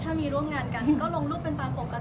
ถ้าหลังจากนี้ลูกค้าแต่งก่อนเข้า